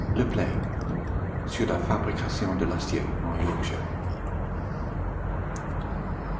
LE PLAY, Sur la Fabrication de l' Acier en Yorkshire.